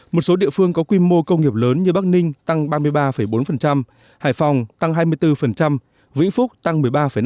một số địa phương có quy mô công nghiệp lớn như bắc ninh tăng ba mươi ba bốn hải phòng tăng hai mươi bốn vĩnh phúc tăng một mươi ba năm